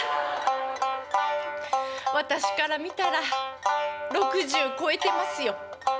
私から見たら６０越えてますよ。